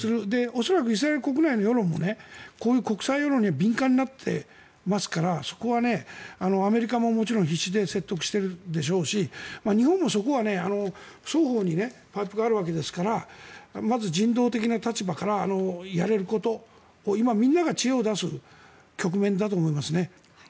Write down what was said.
恐らくイスラエル国内の世論もこういう国際世論に敏感になってますからそこはアメリカももちろん必死で説得しているでしょうし日本もそこは双方にパイプがあるわけですからまず人道的な立場からやれること今、みんなが知恵を出す局面だと思いますね。